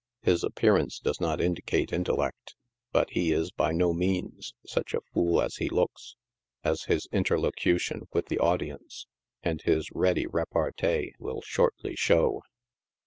His appearance does not indicate in tellect, but he is by no means such a fool as he looks, as his interlo cution with the audience, and his ready repartee will shortly show.